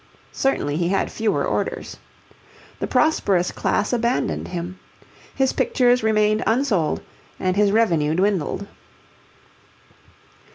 Certainly he had fewer orders. The prosperous class abandoned him. His pictures remained unsold, and his revenue dwindled.